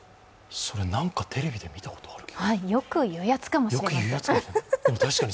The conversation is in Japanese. それテレビで見たことある。